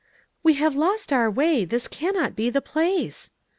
"We have lost our way! this cannot be the place!"